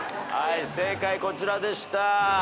正解こちらでした。